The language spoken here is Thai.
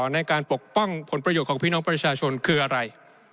ในการปกป้องผลประโยชน์ของพี่น้องประชาชนคืออะไร